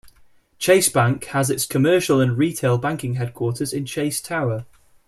Chase Bank has its commercial and retail banking headquarters in Chase Tower.